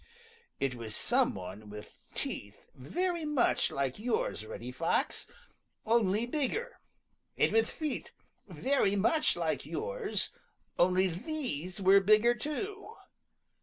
It was some one with teeth very much like yours, Reddy Fox, only bigger, and with feet very much like yours, only these were bigger too.